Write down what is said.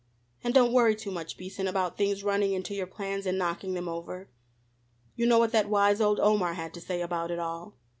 And don't worry too much, Beason, about things running into your plans and knocking them over. You know what that wise old Omar had to say about it all."